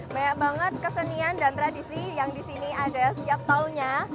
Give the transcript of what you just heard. banyak banget kesenian dan tradisi yang di sini ada setiap tahunnya